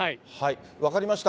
分かりました。